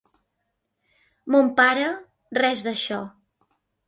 Mon pare, res d'això.